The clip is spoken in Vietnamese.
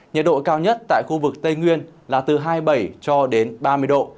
nhiệt độ cao nhất tại khu vực tây nguyên là từ hai mươi bảy cho đến ba mươi độ